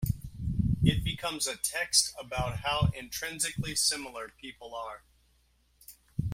It becomes a text about how intrinsically similar people are.